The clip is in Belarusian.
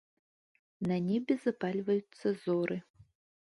На небе запальваюцца зоры.